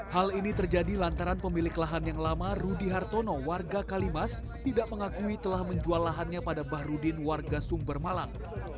hal ini terjadi lantaran pemilik lahan yang lama rudy hartono warga kalimas tidak mengakui telah menjual lahannya pada bahrudin warga sumber malang